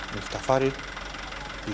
miftah farid pidijaya